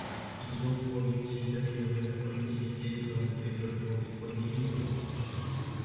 Ils ont pour objectif d'améliorer la productivité dans le développement des produits innovants.